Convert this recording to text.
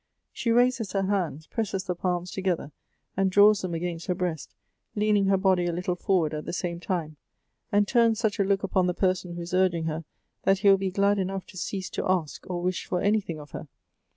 She raises her hands, presses the palms together, and draws them against her breast, leaning her body a little forward at the same time, and turns such a look upon the person who is urging her, that he will be glad enough to cease to ask or wish for anything of her.